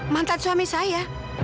mantan suami saya